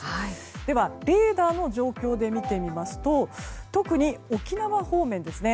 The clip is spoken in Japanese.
では、レーダーの状況で見てみますと特に沖縄方面ですね。